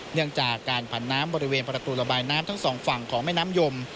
เนื่องจากการผันน้ำบริเวณประตูระบายน้ำทั้งสองฝั่งของแม่น้ำยม